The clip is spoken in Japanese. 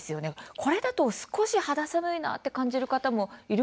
これだと少し肌寒いなって感じる方もいるかもしれませんね。